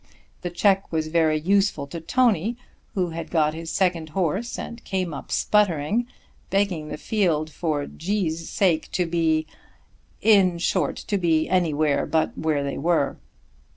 The check was very useful to Tony, who had got his second horse and came up sputtering, begging the field for G 's sake to be, in short to be anywhere but where they were.